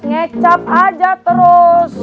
ngecap aja terus